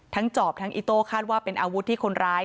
จอบทั้งอิโต้คาดว่าเป็นอาวุธที่คนร้าย